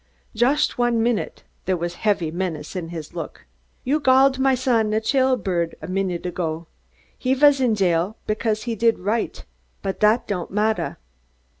"Chust one minud." There was heavy menace in his look. "You galled my son a chail bird a minud ago. He vas in chail because he did righd, but dot don't matter.